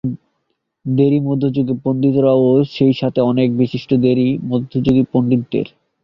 দেরী-মধ্যযুগের পণ্ডিতরা এবং সেইসাথে অনেক বিশিষ্ট দেরী মধ্যযুগীয় পণ্ডিতদের।